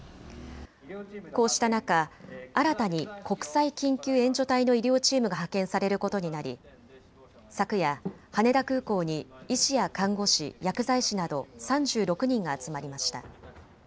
こうした中、新たに国際緊急援助隊の医療チームが派遣されることになり昨夜、羽田空港に医師や看護師、薬剤師など３６人が集まりました。